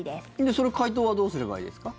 それ、解凍はどうすればいいですか？